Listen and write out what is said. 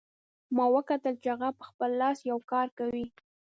ما وکتل چې هغه په خپل لاس یو کار کوي